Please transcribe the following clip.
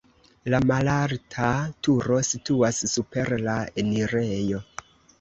La malalta turo situas super la enirejo.